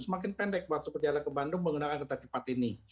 semakin pendek waktu perjalanan ke bandung menggunakan kereta cepat ini